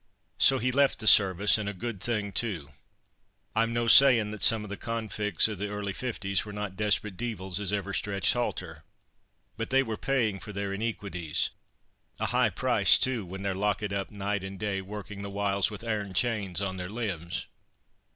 So he left the service, and a good thing too. I'm no sayin' that some of the convicts o' the early fifties were not desperate deevils, as ever stretched halter. But they were paying for their ineequities—a high price too, when they're lockit up night and day, working the whiles with airn chains on their limbs.